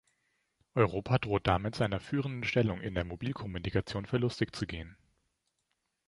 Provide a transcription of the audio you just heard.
Europa droht damit seiner führenden Stellung in der Mobilkommunikation verlustig zu gehen.